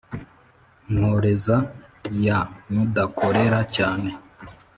nkoreza ya mudakorera cyane